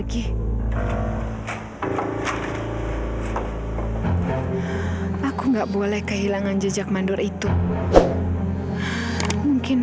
yang dibunuh thanks bejabar disini